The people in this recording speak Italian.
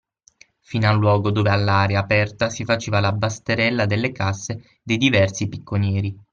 Fino al luogo dove all’aria aperta si faceva la basterella delle casse dei diversi picconieri.